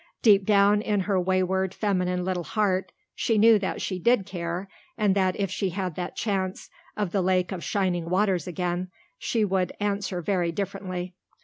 Deep down in her wayward, feminine little heart she knew that she did care, and that if she had that chance of the Lake of Shining Waters again she would answer very differently.